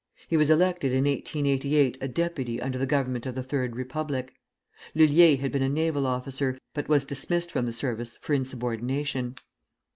He was elected in 1888 a deputy under the Government of the Third Republic. Lullier had been a naval officer, but was dismissed the service for insubordination.